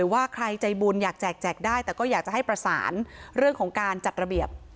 ว่าใครใจบุญอยากแจกแจกได้แต่ก็อยากจะให้ประสานเรื่องของการจัดระเบียบ